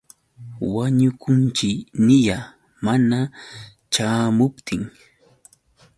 Wañukunćhi niyaa. Mana ćhaamuptin.